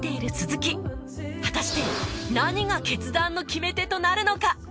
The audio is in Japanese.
果たして何が決断の決め手となるのか？